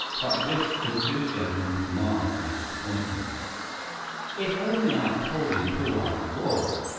But Biff's enthusiasm was marred by disappointment. "If I'd only told him who I was!"